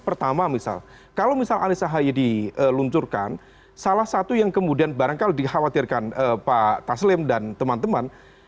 pertama misal kalau misal anies ahaye diluncurkan salah satu yang kemudian barangkali dikhawatirkan pak taslim dan teman teman